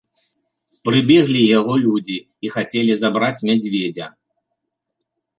Прыбеглі яго людзі і хацелі забраць мядзведзя.